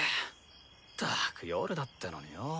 ったく夜だってのによぉ。